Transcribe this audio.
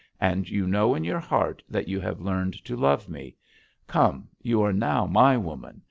And you know in your heart that you have learned to love me. Come, you are now my woman.